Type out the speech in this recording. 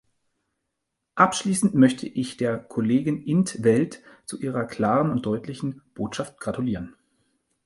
Abschließend möchte ich der Kollegin in't Veld zu ihrer klaren und deutlichen Botschaft gratulieren.